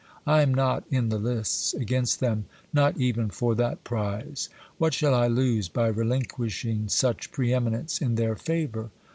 I am not in the lists against them, not even for that prize. What shall I lose by relinquishing such pre eminence in their favour